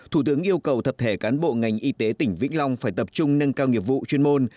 thủ tướng yêu cầu tập thể cán bộ ngành y tế tỉnh vĩnh long phải tập trung nâng cao nghiệp vụ chuyên môn